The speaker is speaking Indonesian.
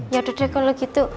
yaudah deh kalau gitu